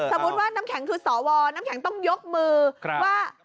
สมมุติว่าน้ำแข็งคือสวน้ำแข็งต้องยกมือว่า